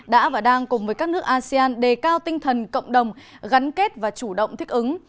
đã và đang cùng với các nước asean đề cao tinh thần cộng đồng gắn kết và chủ động thích ứng